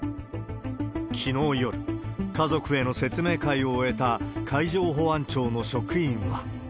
きのう夜、家族への説明会を終えた海上保安庁の職員は。